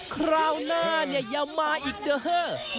คราวหน้าเนี่ยอย่ามาอีกเด้อ